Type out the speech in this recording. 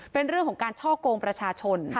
เป็นเรื่องของการช่อกงประชาชน